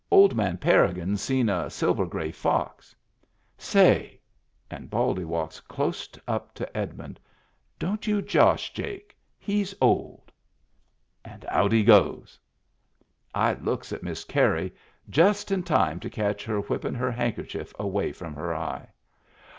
Old man Parrigin seen a silver gray iox. Say !" And Baldy walks clost up to Edmiuid. "Don't you josh Jake. He's old." And out he goes ! I looks at Miss Carey — just in time to catch her whippin' her handkerchief away from her eye.